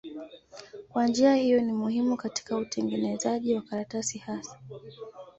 Kwa njia hiyo ni muhimu katika utengenezaji wa karatasi hasa.